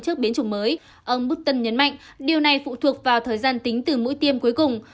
trước biến chủng mới ông bút tân nhấn mạnh điều này phụ thuộc vào thời gian tính từ mũi tiêm cuối cùng